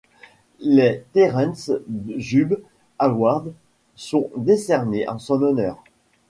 Les Terence Judd Awards sont décernés en son honneur.